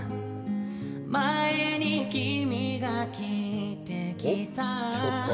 「前に君が聞いてきた」